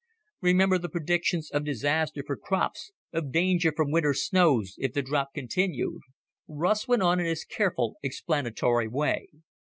Remember the predictions of disaster for crops, of danger from winter snows if the drop continued?" Russ went on in his careful, explanatory way.